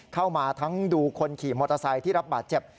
เข้ามาทั้งดูคนขี่มอเตอร์ไซค์ที่รับบาดเจ็บ